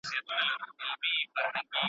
که قلم وي نو خبره نه هیریږي.